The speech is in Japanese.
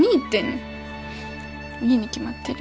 いいに決まってる。